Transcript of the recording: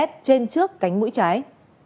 trên trước cánh mũi trái